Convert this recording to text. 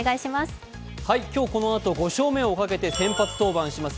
今日このあと５勝目をかけて先発登板します